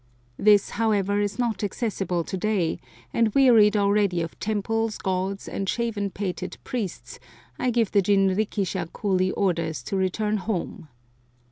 This, however, is not accessible to day, and wearied already of temples, gods, and shaven pated priests, I give the jin rikisha coolie orders to return home.